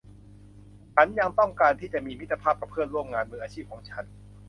ฉันยังต้องการที่จะมีมิตรภาพกับเพื่อนร่วมงานมืออาชีพของฉัน